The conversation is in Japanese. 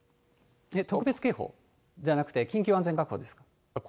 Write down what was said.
特別警報じゃなくて、緊急安全確保です。